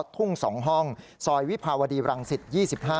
ทุ่ง๒ห้องซอยวิภาวดีรังสิต๒๕